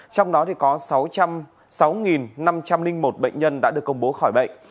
trong đó có sáu trăm linh sáu năm trăm linh một bệnh nhân đã được công bố khỏi bệnh